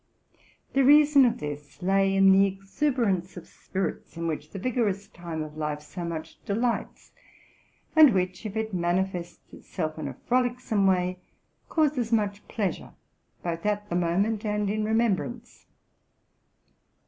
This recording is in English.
The reason of this lay in the exuberance of spirits in which the vigorous time of life so much delights, and which, if it manifests itself in a frolicsome way, causes much pleasure, both at the moment and in remembrance.